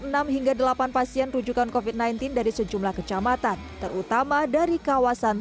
enam hingga delapan pasien rujukan covid sembilan belas dari sejumlah kecamatan terutama dari kawasan